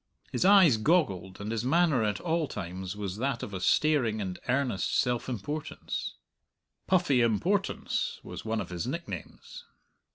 His eyes goggled, and his manner at all times was that of a staring and earnest self importance. "Puffy Importance" was one of his nicknames.